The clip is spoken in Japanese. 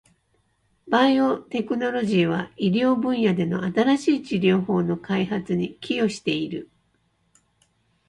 バイオテクノロジーは、医療分野での新しい治療法の開発に寄与している。